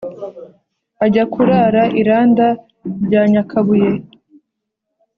ajya kurara i randa rya nyakabuye.